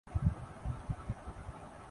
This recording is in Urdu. ہم ایک ماسک لگانے سے تنگ ہیں